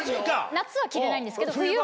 夏は着れないんですけど。